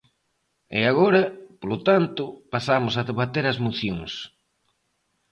E agora, polo tanto, pasamos a debater as mocións.